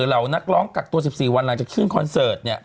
เหล่านักร้องกักตัว๑๔วันหลังจากขึ้นคอนเสิร์ตเนี่ย